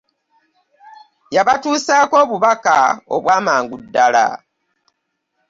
Yabatuusako obubaka obwamangu ddala.